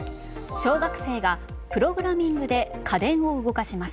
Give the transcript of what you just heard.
小学生がプログラミングで家電を動かします。